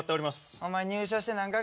お前入社して何か月や。